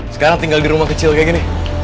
sekarang tinggal di rumah kecil kayak gini